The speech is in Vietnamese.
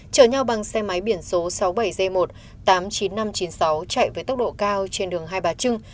chở nhau bằng xe máy biển số sáu mươi bảy g một tám mươi chín nghìn năm trăm chín mươi sáu chạy với tốc độ cao trên đường hai bà trưng